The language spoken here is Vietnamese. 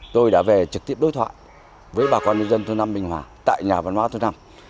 tôi đã về trực tiếp đối thoại với bà con nhân dân thu năm bình hòa tại nhà văn hóa thu năm